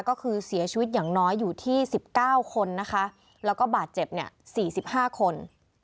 ก็คือเสียชีวิตอย่างน้อยอยู่ที่๑๙คนนะคะแล้วก็บาดเจ็บเนี่ย๔๕คน